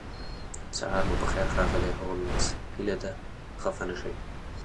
سهار مو پخیر ښاغلی هولمز هیله ده خفه نشئ